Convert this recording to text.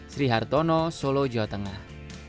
sri hartono solo jawa tengah